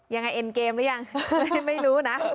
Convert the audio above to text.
เอ็นเกมหรือยังไม่รู้นะ